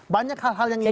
banyak hal hal yang ini kan